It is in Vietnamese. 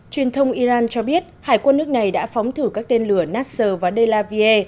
truyền thông iran cho biết hải quân nước này đã phóng thử các tên lửa nasser và de la valle